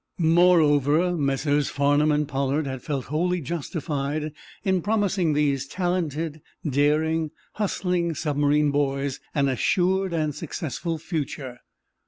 Moreover, Messrs. Farnum and Pollard had felt wholly justified in promising these talented, daring, hustling submarine boys an assured and successful future.